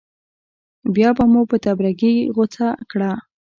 بیا به مو په تبرګي غوڅه کړه.